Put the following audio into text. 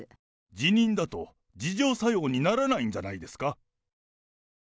辞任だと、自浄作用にならないんじゃないですか。